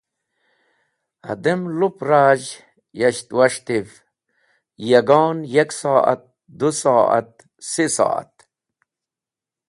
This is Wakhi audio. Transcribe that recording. Hadem lup razh yasht was̃htiv: yagon yek so’at, du so’at, seh so’at.